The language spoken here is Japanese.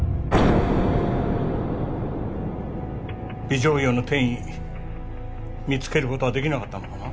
尾状葉の転移見つける事が出来なかったのかな？